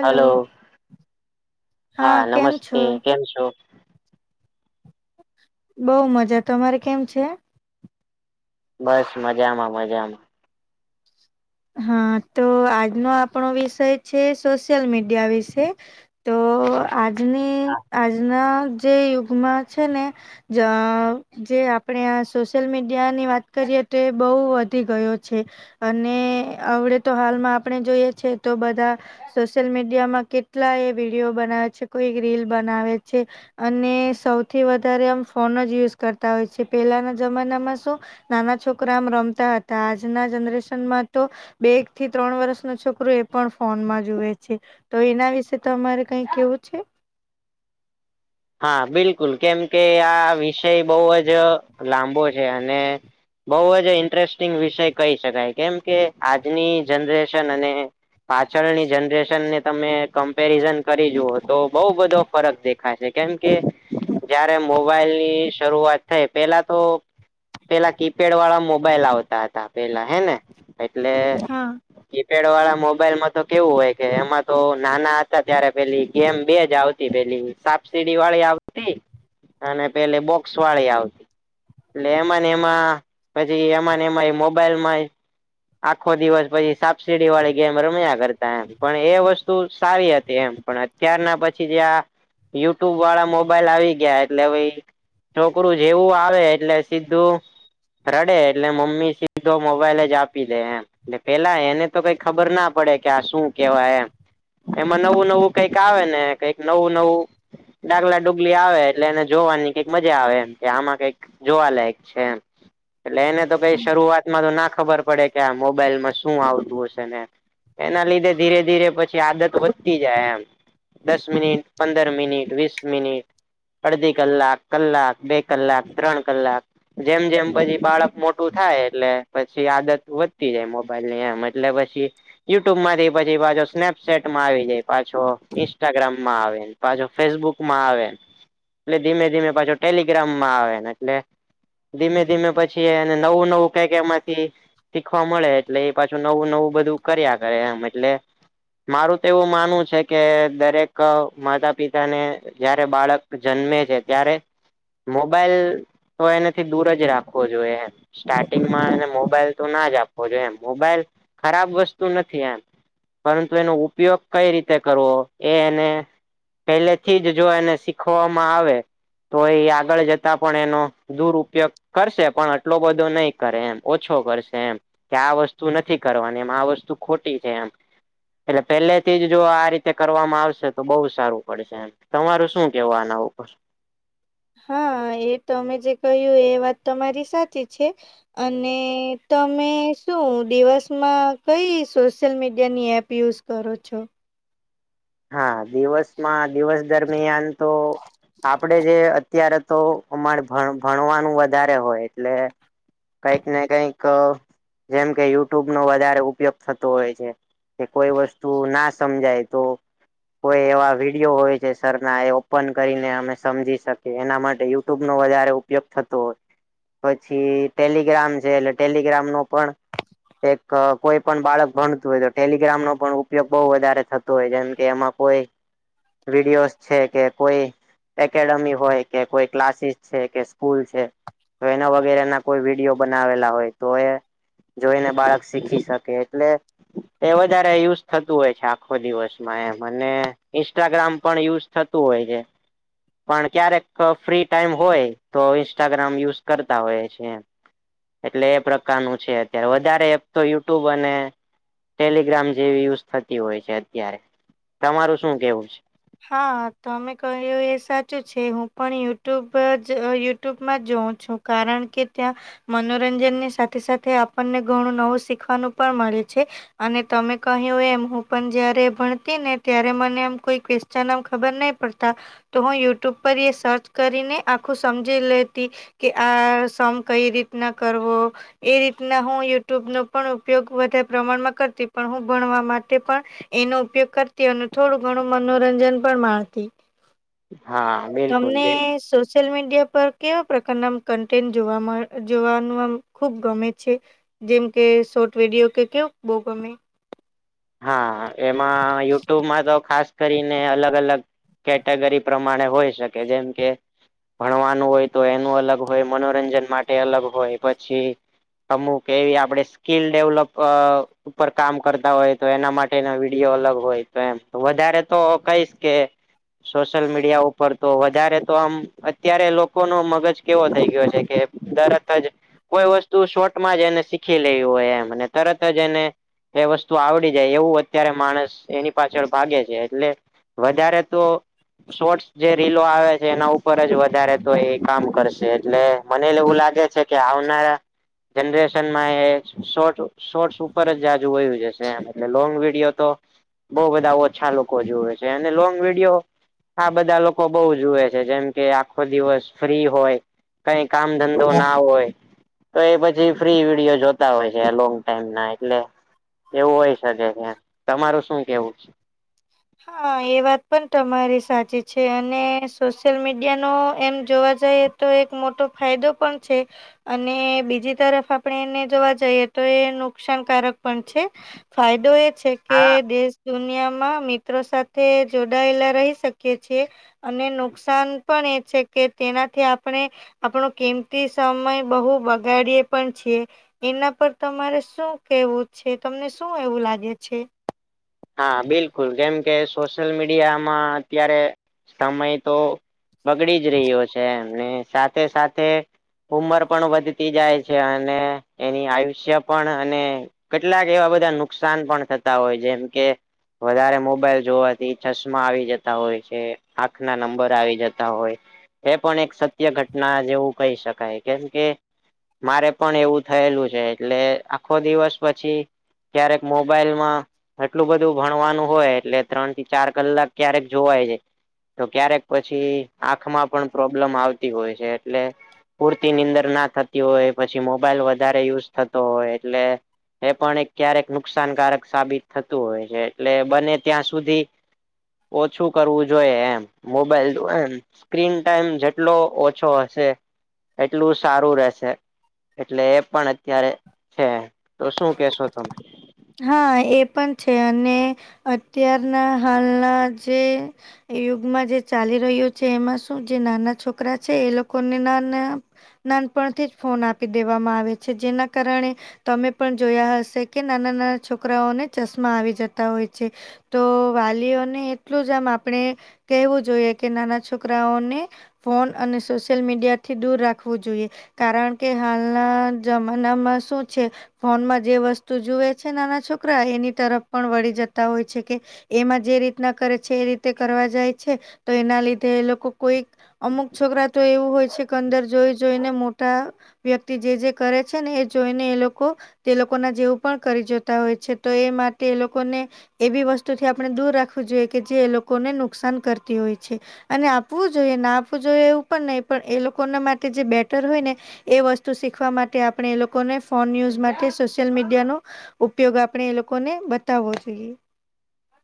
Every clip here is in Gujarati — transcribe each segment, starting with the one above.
હલો હા કેમ નમસ્તે છો કેમ છો. બઉ મજા તમારે કેમ છે બસ મજામાં મજામાં હા તો આજનો આપણો વિષય છે સોશિયલ મીડિયા વિશે તો આજની આજના જે યુગમાં છે ને જે આપણે સોશિયલ મીડિયા ની વાત કરીએ તો બહુ વધી ગયો છે. અને અડે તો હાલમાં આપણે જોઈએ છેએ તો બધા સોશિયલ મીડિયામાં કેટલા એ વિડીિયો બનાવે છે કોઈ રીલ બનાવે છે. અને સૌથી વધારે આમ ફોન જ યુઝ કરતા હોય છે પહેલાના જમાનામાં શું નાના છોકરા આમ રમતા હતા, આજના જનરેશનમાં તો બે એક થી ત્રણ વર્ષ ન છોકરો એ પણ ફોનમાં જુએ છે. તો એના વિશે તો અમારે કઈ કેવું છે? હા બિલકુલ, કેમ કે આ વિષય બહુજ લાંબો છે, અને બહુજ ઇન્ટરેસ્ટિંગ વિષય કહી શકાય, કેમ કે આજની જનરેશન અને પાછળની જનરેશનને તમે કમ્પેરિઝન કરી જુઓ, તો બઉુ બધો ફરક દેખાશે. કેમકે, જયારે મોબાઈલ ની શરૂઆત થાય પેલા તો. પેલા કીપેડ વાળા મોબાઈલ આવતા હતા, પેલા હે ને એટલે હા કીપેડ વાળા મોબાઈલમાં તો કેવું હોય, કે એમાં તો નાના હતા ત્યારે પેલી ગેમ બેજ આવત એ પેલી સાપસીડી વાળી આવતી, અને પેલી બોક્સ વાળી આવતી. લેમન એમાં પછી એમાંને એમાં એ મોબાઈલ માં એ આખો દિવસ પછી સાબસીડી વાળી ગેમ રમ્યા કરતા એમ, પણ એ વસ્તુ સારી હતી એમ, પણ અત ત્યારના પછી જે આ યુટ્યુબ વાળા મોબાઈલ આવી ગયા એટલે હવે ઈ છોકરું જેવું આવે એટલે સીધું. રડે એટલે મમ્મી સીધો મોબાઈલ જ આપી દે એમ. એટલે પેલા એને તો કઈ ખબર ના પડે કે આ શું કેવાય એમ એમાં નવું નવું કંઈક આવે ને કઈક નવું નવું ડાગલા ડુગલી આવે એટલે એને જોવાની કઈક મજા આવે એમ, કે આમાં કઈક જોવાલાયક છે એમ. એટલે એને તો કઈ શરૂઆતમાં તો ના ખબર પડે કે આ મોબાઈલમાં શું આવતું હશે ને એના લીધે ધીરે ધીરે પછી આદત વધતી જાય એમ, દસ મિનિટ પંદર છ મિનિટ, વીસ મિનિટ, અડધી કલાક, કલાક, બે કલાક, ત્રણ કલાક. જેમ જેમ પછી બાળક મોટું થાય, એટલે પછી આદત વધતી જાય મોબાઈલ ની, એમ એટલે પછી યુટ્યુબ માંથી પછી પાછો સ્નેપશેટમાં આવી જાય પાછો, ઈન્સ્ટાગ્રામમાં આવે. પાછો ફેસબુક માં આવે, એટલે ધીમે ધીમે પાછો ટેલિગ્રામમાં આવે, એટલે ધીમે ધીમે પછી અને નવું નવું ક કે એમાંથી. શીખવા મળે એટલે એ પાછું નવું નવું બધું કર્યા કરે એમ એટલે. મારું તો એવું માનવું છે કે દરેક મ. પિતા ને જયારે બાળક જન્મે છે, ત્યારે મોબાઈલ તો એનાથી દૂર જ રાખવો જોઈએ એમ. સ્ટાર્ટિંગમાં એને મોબાઈલ તો નાજ આપવો જોઈએ એમ, મોબાઈલ ખરાબ વસ્તુ નથી એમ. પરંતુ એનો ઉપયોગ કઈ રીતે કરવો? એ એને પેલેથીજ જો એને શીખવામાં આવે. તો એ આગળ જતા પણ એનો દુર ઉપયોગ કરશે, પણ આટલો બધો નહી કરે એમ, ઓછો કરશે એમ. કે આ વસ્તુ નથી કરવાની, એમ આ વસ્તુ ખોટી છે, એમ એટલે પહેલે થીજ જો આ રીતે કરવામાં આવશે, તો બહુ સારું. પડશે, તમારું શું કેવા આના ઉપર? હા, એ તમેજે કહ્યું, એ વાત તમારી સાચી છે. અને તમે શું દિવસમાં કઈ સોશિયલ મીડિયાની એપ યુઝ કરો છો. હા દિવસમાં દિવસ દરમિયાનતો આપડે જે. અત્યારે તો અમારે ભણવાનું વધારે હોય એટલે. કઈકને કઈક જેમ કે યુટ્યુબ નો વધારે ઉપયોગ થતો હોય છે. કે કોઈ વસ્તુ ના સમજાય તો. કોઈ એવા વિડીિયો હોય છે સર ના એ ઓપન કરીને અમે સમજી શકીએ એના માટે યુટ્યુબ નો વધારે. ઉપયોગ થતો હોય પછી ટેલિગ્રામ છે એટ ટેલિગ્રામ નો પણ. એક કોઈ પણ બાળક ભણતું હોય તો ટેલિગ્રામ નો પણ ઉપયોગ બહઉ વધારે થતો હોય જેમ. કે એમાં કોઈ વિડીયોસ છે કે કોઈ. એકેડેમી હોય કે કોઈ ક્લાસીસ છે કે સ્કૂલ છે. તો એના વગેરે ના કોઈ વિડીયો બનાવેલા હોય તો એ. જોઈને બાળક શીખી શકે એટલે એ વધારે યુઝ થતું હોય છે આખો દિવસ. મને ઇન્સ્ટાગ્રામ પણ યુઝ થતું હોય છે. પણ ક્યારેક ફ્રી ટાઈમ હોય તો ઇન્સ્ટાગ્રામ યુઝ કરતા હોય છેમ. એટલે એ પ્રકારનું છે અત્યારે વધારે એપ તો યુટ્યુબ અને. ટેલિગ્રામ જેવી યુઝ થતી હોય છે અત્યારે. તમારું શું કેવું છે. હા તમે કહ્યું એ સાચું છે હું પણ યુટ્યુબજ યુ. યુટ્યુબમાં જોઉં છું કારણ કે ત્યાં. મનોરંજન ની સાથે સાથે આપણને ઘણું નવું શીખવાનું પણ મળે છે. અને તમે કહ્યું એમ હું પણ જયારે ભણતી ને. ત્યારે મને આમ કોઈ ક્વેશ્ચન આમ ખબર નહી પડતા. તો હું યુટ્યુબ પર એ સર્ચ કરીને આખું સમજી લેતી. કે આ સમ કઈ રીતના કરવો. એ રીતના હું યુટ્યુબનો પણ ઉપયોગ વધારે પ્રમાણમાં કરતી પણ હું ભણવા માટે પણ. એનો ઉપયોગ કર. થોડું ઘણું મનોરંજન પણ માણતી હા બિલકુલ તમને. બિલકુલ સોશિયલ મીડિયા પર કેવા પ્રકારના કન્ટેન્ટ જોવા મા જોવાનું આમ ખૂબ ગમે છે. જેમ કે શોર્ટ વિડિયો કે કેવું બો ગમે. હા એમાં યુટ્યુબમાં તો ખાસ કરીને અલગ અલગ. કેટેગરી પ્રમાણે હોય શકે જેમ કે. ભણવાનું હોય તો એનું અલગ હોય મનોરંજન માટે અલગ હોય પછી. અમુક એવી આપડે સ્કીલ ડેવલપ અ ઉપર કામ કરતા હોય. તો એના માટે ના વિડીયો અલગ હોય તો એમ વધારે તો કહીશ કે. સોશિયલ મીડિયા ઉપર તો વધારે તો આમ અત્યારે લોકોનો મગજ કેવો થઈ ગયો છે કે. તરતજ કોઈ વસ્તુ શોર્ટમાં જ એને શીખી લેવી હોય એમ તરતજ એને. એ વસ્તુ આવડ. જાય એવું અત્યારે માણસ એની પાછળ ભાગે છે એટલે વધારે તો. શોર્ટસ જે રીલો આવે છે એના ઉપરજ વધારે તો એ કામ કરશે એટલે મને એવું લાગે છે. કે આવનારા. જનરેશન માં એ સોર્ટ સોર્ટસ ઉપરજ જાજુ વવયું જશે એમ. અને લોંગ વિડીયો તો બહુ બધા ઓછા લોકો જુવે છે અને લોંગ વિડીયો. આ બધા લોકો બઉુ જુએ છે જેમ કે આખો દિવસ ફ્રી હોય. કઈ કામ ધંધોના હોય. તો એ પછી ફ્રી વિડીયો જોતા હોય છે લોંગ ટાઈમના એટલે એવું હોય. તે દરમિયાન તમારું શું કેવું છે. હા એ વાત પણ તમારી સાચી છે અને સોશિયલ મીડિયા નો એમ જોવા જઈ. તો એક મોટો ફાયદો પણ છે. અને બીજી તરફ આપણે એને જોવા જઈએ તો એ નુકસાનકારક પણ છે. ફાયદો એ છે કે હા દેશ દુનિયામાં મી. મિત્રો સાથે જોડાયેલા રહી શકીએ છીએ. અને નુકસાન પણ એ છે કે તેનાથી આપણે આપણો કિમતી સમય બહુ બગાડીએ પણ છીએ. એના પર તમારે શું કેવું છે તમને શું એવું લાગે છે? હા બિલકુલ જેમ કે સોશિયલ મીડિયામાં અત્યારે સમય તો. બગડી જ રહ્યો છે એમને સાથે સાથે. ઉંમર પણ વધતી જાય છે અને એની આયુષ્ય પણ અને. કેટલાક એવા બધા નુકસાન પણ થતા હોય જેમ. કે વધારે મોબાઈલ જોવાથી ચશ્મા આવી જતા હોય છે. આંખ ના નંબર આવી જતા હોય. એ પણ એક સત્ય ઘટના જેવું કહી શકાય કેમ કે. મારે પણ એવું થયેલું છે એટલે આખો દિવસ પછી ક્યારેક મોબાઈલ માં. એટલું બધું ભણવાનું હોય એટલે ત્રણ થી ચાર કલાક ક્યારેક જોવાય જાય. તો ક્યારેક પછી આંખમાં પણ પ્રોબ્લેમ આવતી હોય છે એટલે પુરતી નિંદર નાથ. હોય પછી મોબાઈલ વધારે યુઝ થતો હોય એટલે એ પણ એક ક્યારેક નુકસાનકારક સાબિત થતું હોય છે એટલે બને ત્યાં સુધી ઓછું કરવું જોઈએ એમ મોબાઈલ. સ્ક્રીનટાઈમ જેટલો ઓછો હશે એટલું સારું રહેશે. એટલે એ પણ અત્યારે છે તો શું કેશો તમે? હા એ પણ છે અને અત્યારના હાલના જે એ યુગમાં જે ચાલી રહ્યું છે એમાં શું જે નાના છોકરા છે એ લોકોને નાના નાનપણથી જ ફોન આપી દેવામાં આવે છે જેના કારણે તમે પણ જોયા હશે કે. નાના નાના છોકરાઓને ચશ્મા આવી જતા હોય છે. તો વાલીઓને એટલું જ આમ આપણેે કેહેવું જોઈએ કે નાના છોકરાઓને. ફોન અને સોશિયલ મીડિયા થી દૂર રાખવું જોઈએ. કારણ કે હાલના જમાનામાં શું છે ફોનમાં જે વસ્તુ જુએ છે નાના છોકરા એની તરફ પણ વળી જતા હોય છે કે એમાં જે રીતના કરે છે એ રીતે કરવા જાય છે તો એના લીધે એ લોકો કોઈક અમુક છોકરા તો એવું હોય છે કે અંદર જોઈ જોઈને મોટા વ્યક્તિ જે જે કરે છે ને એ જોઈને એ લોકો તે લોકોના જેવુ પણ કરી જોતા હોય છે તો એ માટે એ લોકોને એવી વસ્તુથી આપણે દૂર રાખવું જોઈએ કે જે એ લોકોને નુકસાન કરતી હોય છે. અને આપવું જોઈએ ના આપવું જોઈએ એવું પણ નહી પણ એ લોકોના માટે જે બેટર હોય ને એ વસ્તુ શીખવા માટે આપણે એ લોકોને ફોન યુઝ માટે સોશિયલ મીડિયા નો ઉપયોગ આપણેે એ લોકો ને બતાવવો જોઈએ.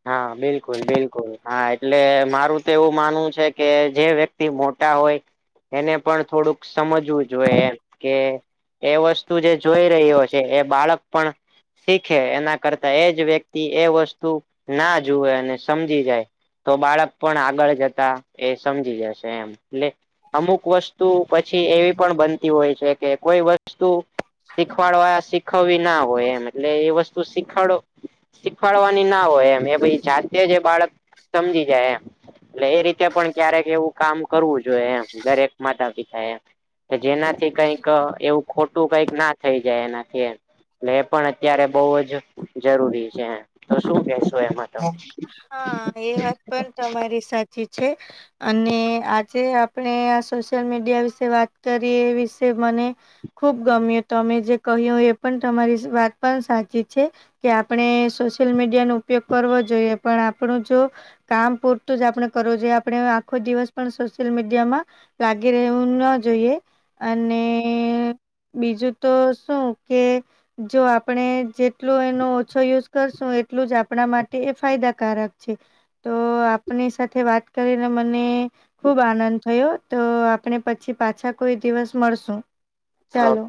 હા બિલકુલ બિલકુલ હા એટલે મારું તો એવું માનવું છે કે જે વ્યક્તિ મોટા હોય એને પણ થોડુંક સમજવું જોઈએ એમ કે એ વસ્તુ જે જોઈ રહ્યો છે એ બાળક પણ શીખે એના કરતા એજ વ્યક્તિ એ વસ્તુ ના જુવે અને સમજી જાય. તો બાળક પણ આગળ જતા એ સમજી જશે એમ એટલે અમુક વસ્તુ પછી એવી પણ બનતી હોય છે કે કોઈ વસ્તુ શીખવાડવા શીખવવી ના હોય એમ એટલે એ વસ્તુ શીખવાડ શીખવાડવાની ના હોય એમ એ પછી જાતે જ એ બાળક સમજી જાય એમ એટલે એ રીતે પણ ક્યારેક એવું કામ કરવું જોઈએ એમ દરેક માતા પિતા એ કે જેનાથી કઈક એવું ખોટું કંઈક ના થઈ જાય એનાથી એમ. એટલે એ પણ અત્યારે બહુ જ જરૂરી છે તો શું કેશો એમાં? તમે હા એ વાત પણ તમારી સાચી છે. અને આજે આપણે આ સોશયલ મીડિયા વિશે વાત કરીએ એ વિશે મને ખુબ ગમે તમે જે કહ્યું હો એ પણ તમારી વાત પણ સાચી છે. કે આપણે સોશિયલ મીડિયા નો ઉપયોગ કરવો જોઈએ પણ આપણું જો કામ પૂરતું જ આપણે કરવું જોઈએ આપણે આખો દિવસ પણ સોશિયલ મીડિયામાં લાગી રહેવું ન જોઈએ અને બીજું તો શું કે જો આપણેે જેટલો એનો ઓછો યુઝ કરશું એટલું જ આ આપણા માટે એ ફાયદાકારક છે તો આપણી સાથે વાત કરીને મને ખુબ આનંદ થયો તો આપણે પછી પાછા કોઈ દિવસ મળશું અ ચાલો.